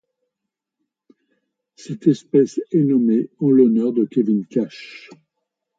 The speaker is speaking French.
Cette espèce est nommée en l'honneur de Kevin Cash.